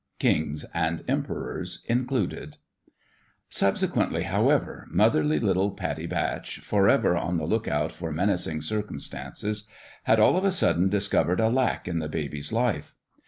Kings and emperors included ! Subsequently, however, motherly little Pa tience Batch, forever on the lookout for mena cing circumstances, had all of a sudden dis covered a lack in the baby's life.